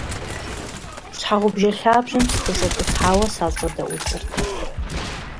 Щхьэгъубжэ лъабжьэм сыкъыкӀэщӀэтӀысхьауэ, сащӏэдэӏукӏырт.